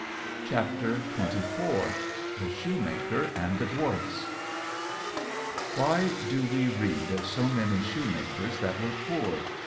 [Decoration] XXIV. The Shoemaker and the Dwarfs. Why do we read of so many shoemakers that were poor?